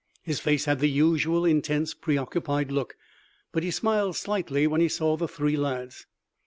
His face had the usual intense, preoccupied look, but he smiled slightly when he saw the three lads.